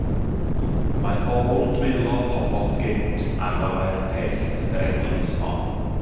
Y mae ôl dwylo pobl gynt ar lawer peth yn yr eglwys hon.